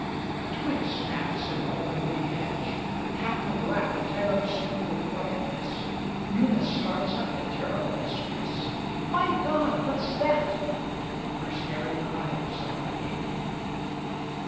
A twig Snaps in the hornbeam hedge. A cackling laugh tears through the quietness. Eunice starts up in terrible distress. "My God! What's that?" Her staring eyes are big.